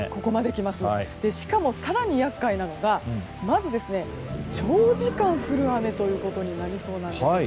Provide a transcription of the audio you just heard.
しかも更に厄介なのがまず長時間降る雨ということになりそうなんです。